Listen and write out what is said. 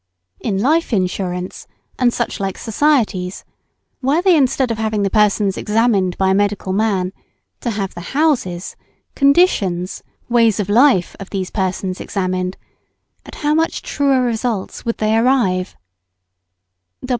In Life Insurance and such like societies, were they instead of having the person examined by the medical man, to have the houses, conditions, ways of life, of these persons examined, at how much truer results would they arrive!